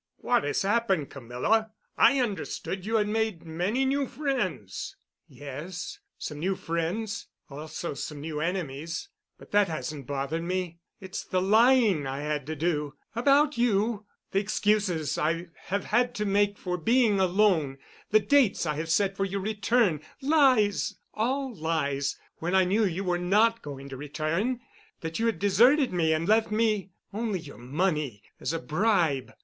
"What has happened, Camilla? I understood you had made many new friends." "Yes, some new friends—also, some new enemies. But that hasn't bothered me. It's the lying I had to do—about you—the excuses I have had to make for being alone, the dates I have set for your return, lies—all lies—when I knew you were not going to return, that you had deserted me and left me only your money as a bribe.